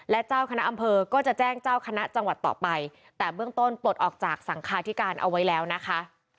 และเจ้าคณะอำเภอก็จะแจ้งเจ้าคณะจังหวัดต่อไปแต่เบื้องต้นปลดออกจากสังคาธิการเอาไว้แล้วนะคะ